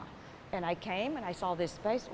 dan saya datang dan melihat ruang ini